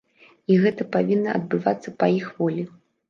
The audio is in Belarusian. І гэта павінна адбывацца па іх волі.